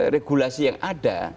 regulasi yang ada